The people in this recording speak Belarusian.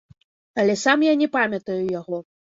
Але сам я не памятаю яго.